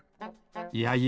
いやいや。